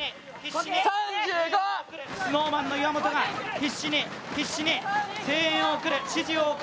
ＳｎｏｗＭａｎの岩本が必死に必死に声援を送る、指示を送る。